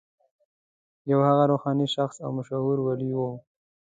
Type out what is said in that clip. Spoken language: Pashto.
هغه یو روحاني شخص او مشهور ولي و.